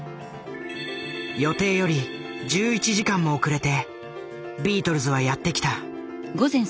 予定より１１時間も遅れてビートルズはやってきた。